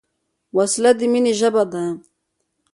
وسله د مینې ژبه نه ده